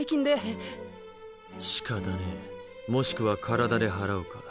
しかたねもしくは体で払うか。